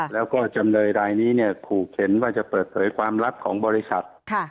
แล้วก็จำเลยรายนี้เนี่ยขู่เข็นว่าจะเปิดเผยความลับของบริษัท